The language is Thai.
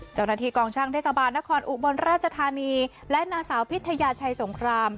เจ้าหน้าที่กองช่างเทศบาลนครอุบลราชธานีและนางสาวพิทยาชัยสงคราม